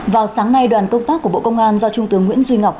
vào sáng nay đoàn công tác của bộ công an do trung tướng nguyễn duy ngọc